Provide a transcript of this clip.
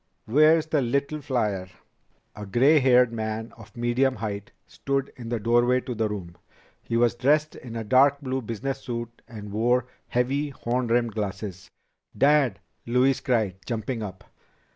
Where's the little flier?" A gray haired man of medium height stood in the doorway to the room. He was dressed in a dark blue business suit and wore heavy horn rimmed glasses. "Dad!" Louise cried, jumping up.